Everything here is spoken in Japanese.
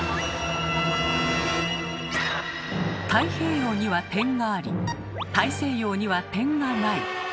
「太平洋」には点があり「大西洋」には点がない。